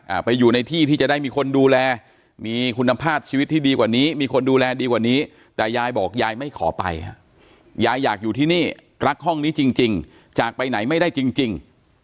ไปอยู่ในที่ที่จะได้มีคนดูแลมีคุณภาพชีวิตที่ดีกว่านี้มีคนดูแลดีกว่านี้แต่ยายบอกยายไม่ขอไปฮะยายอยากอยู่ที่นี่รักห้องนี้จริงจริงจากไปไหนไม่ได้จริงจริง